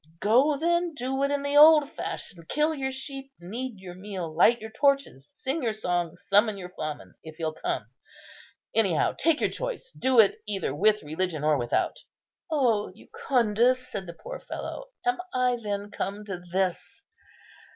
Go, then, do it in the old fashion; kill your sheep, knead your meal, light your torches, sing your song, summon your flamen, if he'll come. Any how, take your choice; do it either with religion or without." "O Jucundus!" said the poor fellow, "am I then come to this?"